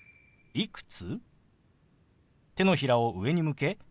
「いくつ？」。